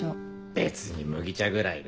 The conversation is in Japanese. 別に麦茶ぐらいで。